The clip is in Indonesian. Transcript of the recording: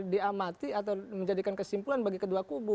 diamati atau menjadikan kesimpulan bagi kedua kubu